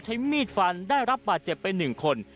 ใช้มีดฟันได้รับบาดเจ็บไป๑คน